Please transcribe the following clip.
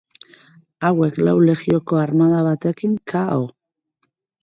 Hauek lau legioko armada batekin k. o.